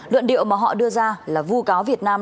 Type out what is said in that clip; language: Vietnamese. luận điệu mà họ đưa ra là vu cáo việt nam